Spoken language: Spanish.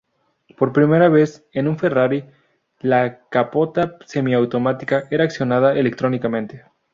Por primera vez en un Ferrari, la capota semiautomática era accionada electrónicamente.